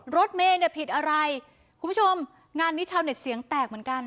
รถเมย์เนี่ยผิดอะไรคุณผู้ชมงานนี้ชาวเน็ตเสียงแตกเหมือนกัน